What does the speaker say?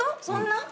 そんな？